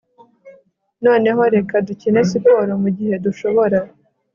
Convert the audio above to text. Noneho reka dukine siporo mugihe dushobora